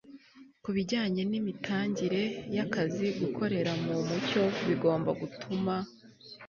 ku bijyanye n'imitangire y'akazi, gukorera mu mucyo bigomba gutuma